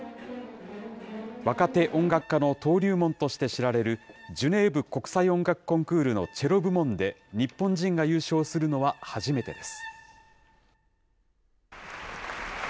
若手音楽家の登竜門として知られるジュネーブ国際音楽コンクールのチェロ部門で日本人が優勝するのは初めてです。